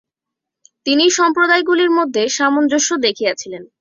তিনি সম্প্রদায়গুলির মধ্যে সামঞ্জস্য দেখিয়াছিলেন।